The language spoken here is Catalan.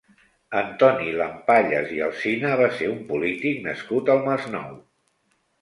Antoni Llampallas i Alsina va ser un polític nascut al Masnou.